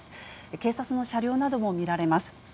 警察の車両なども見られます。